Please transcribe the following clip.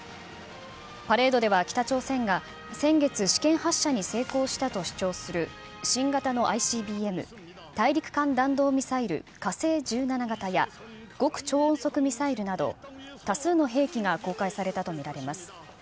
パレードでは北朝鮮が先月、試験発射に成功したと主張する新型のＩＣＢＭ・大陸間弾道ミサイル、火星１７型や、極超音速ミサイルなど、多数の兵器が公開されたと見られます。